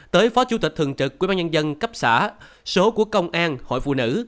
tới phó chủ tịch thường trực quyên bán nhân dân cấp xã số của công an hội phụ nữ